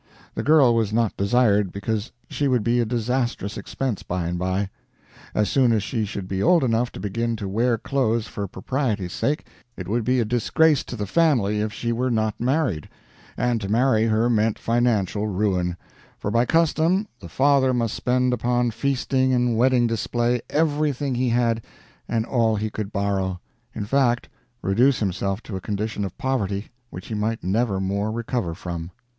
The girl was not desired, because she would be a disastrous expense by and by. As soon as she should be old enough to begin to wear clothes for propriety's sake, it would be a disgrace to the family if she were not married; and to marry her meant financial ruin; for by custom the father must spend upon feasting and wedding display everything he had and all he could borrow in fact, reduce himself to a condition of poverty which he might never more recover from.